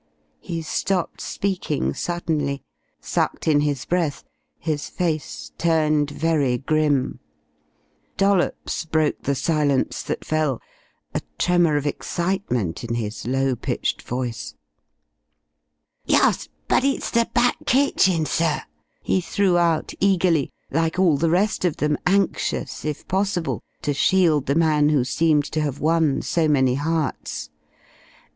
He stopped speaking suddenly, sucked in his breath, his face turned very grim. Dollops broke the silence that fell, a tremour of excitement in his low pitched voice. "Yus but it's the back kitchen, sir," he threw out eagerly, like all the rest of them anxious if possible to shield the man who seemed to have won so many hearts.